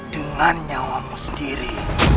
dengan nyawamu sendiri